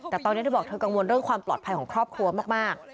แต่ตอนนี้เธอบอกเธอกังวลเรื่องความปลอดภัยของครอบครัวมาก